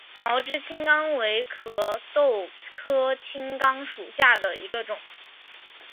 毛枝青冈为壳斗科青冈属下的一个种。